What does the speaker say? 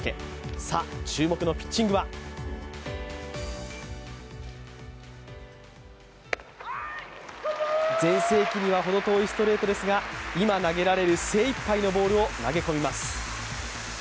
注目のピッチングは全盛期にはほど遠いストレートですが、今投げられる精いっぱいのボールを投げ込みます。